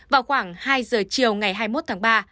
vào khoảng hai giờ chiều ngày hai mươi một tháng ba